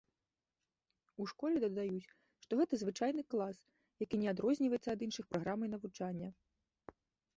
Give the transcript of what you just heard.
У школе дадаюць, што гэта звычайны клас, які не адрозніваецца ад іншых праграмай навучання.